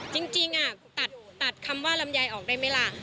จริงตัดคำว่าลำไยออกได้ไหมล่ะ